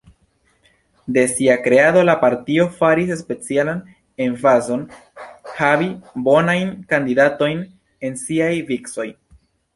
De sia kreado, la partio faris specialan emfazon havi bonajn kandidatojn en siaj vicoj.